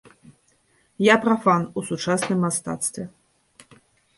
Я прафан у сучасным мастацтве.